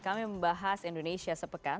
kami membahas indonesia sepekan